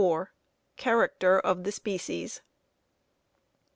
CHARACTER OF THE SPECIES.